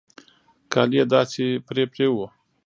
کالي يې داسې پرې پرې وو.